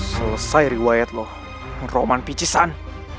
selesai riwayat lo roman picisan